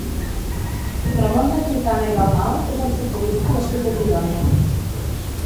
Ramon de Quintana i Dalmau és un futbolista nascut a Girona.